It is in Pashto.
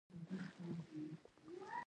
چین د اصلاحاتو له لارې پرمختګ کړی.